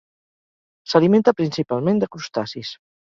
S'alimenta principalment de crustacis.